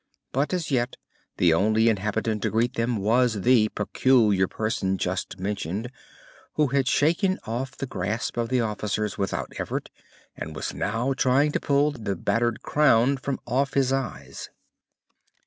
But as yet the only inhabitant to greet them was the Peculiar Person just mentioned, who had shaken off the grasp of the officers without effort and was now trying to pull the battered crown from off his eyes.